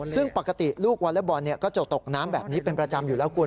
ซึ่งปกติลูกวอเล็กบอลก็จะตกน้ำแบบนี้เป็นประจำอยู่แล้วคุณ